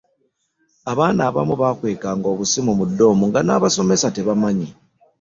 Abaana abamu baakwekanga obusimu mu ddoomu ng'abasomesa tebamanyi